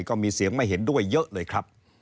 ก็มีเสียงไม่เห็นด้วยเยอะเลยครับ